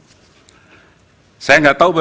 saya gak tahu bagaimana instruksi itu